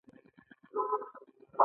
نظارت او بررسي یو ضروري امر دی.